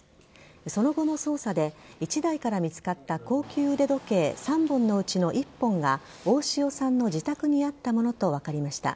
その後の捜査で１台から見つかった高級腕時計３本のうちの１本が大塩さんの自宅にあったものと分かりました。